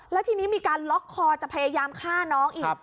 แล้วทีนี้มีการล็อกคอจะพยายามฆ่าน้องอีก